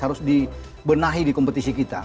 harus dibenahi di kompetisi kita